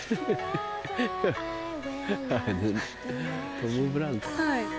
トム・ブラウンか。